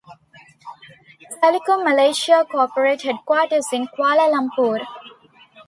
Telekom Malaysia corporate headquarters in Kuala Lumpur.